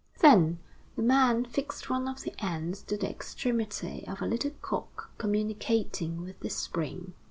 Then the man fixed one of the ends to the extremity of a little cock communicating with the spring.